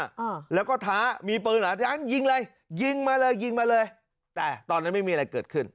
อ่าแล้วก็ท้ามีปืนเหรอยังยิงเลยยิงมาเลยยิงมาเลยแต่ตอนนั้นไม่มีอะไรเกิดขึ้น